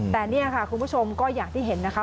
แต่นี่ค่ะคุณผู้ชมก็อย่างที่เห็นนะคะ